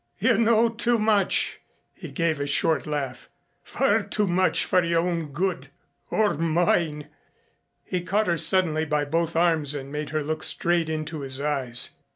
"You know too much." He gave a short laugh. "Far too much for your own good or mine." He caught her suddenly by both arms and made her look straight into his eyes.